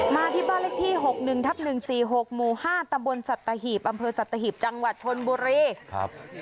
มาที่บ้านเล็กที่๖๑๑๔๖หมู่๕ตำบลสัตถาหีบอำเภอสัตถาหีบจังหวัดพลบุรี